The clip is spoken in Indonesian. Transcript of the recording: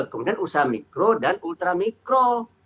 kemudian usaha mikro dan ultra mikro